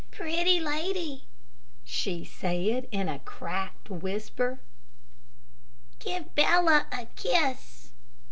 "Pretty lady," she said, in a cracked whisper, "give Bella a kiss."